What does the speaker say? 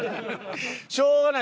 しょうがない。